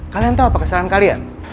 kalian tahu apa kesalahan kalian